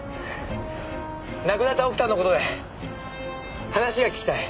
亡くなった奥さんの事で話が聞きたい。